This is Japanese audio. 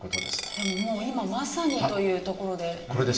でも、今まさにというところで。